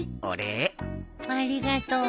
ありがとう。